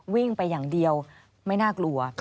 วิ่งไปอย่างเดียวไม่น่ากลัว